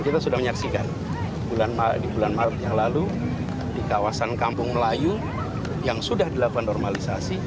kita sudah menyaksikan di bulan maret yang lalu di kawasan kampung melayu yang sudah dilakukan normalisasi